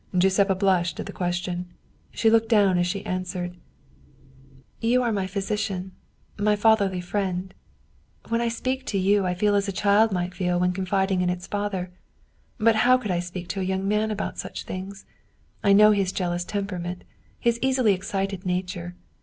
Giuseppa blushed at the question. She looked down as she answered :" You are my physician, my fatherly friend. When I speak to you I feel as a child might feel when con fiding in its father. But how could I speak to a young man about such things? I know his jealous temperament, his easily excited nature.